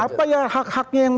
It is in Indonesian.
apa yang harus di rehabilitasi